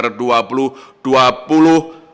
pada akhir desember dua ribu dua puluh